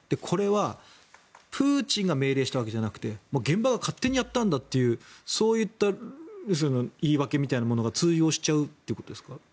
これはプーチンが命令したわけじゃなくて現場が勝手にやったんだというそういった言い訳みたいなものが通用しちゃうってことですか？